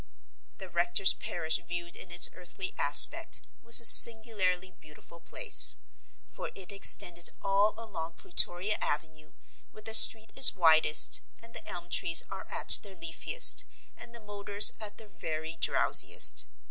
The rector's parish viewed in its earthly aspect, was a singularly beautiful place. For it extended all along Plutoria Avenue, where the street is widest and the elm trees are at their leafiest and the motors at their very drowsiest.